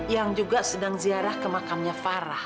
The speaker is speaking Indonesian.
yang juga sedang ziarah ke makamnya farah